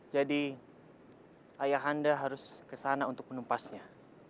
jadi ayahanda harus ke sana untuk menumpasnya